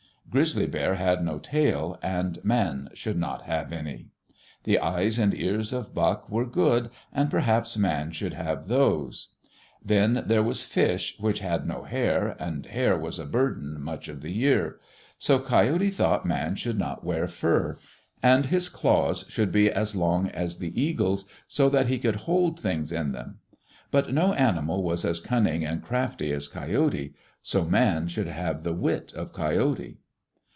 Grizzly Bear had no tail, and man should not have any. The eyes and ears of Buck were good, and perhaps man should have those. Then there was Fish, which had no hair, and hair was a burden much of the year. So Coyote thought man should not wear fur. And his claws should be as long as the Eagle's, so that he could hold things in them. But no animal was as cunning and crafty as Coyote, so man should have the wit of Coyote.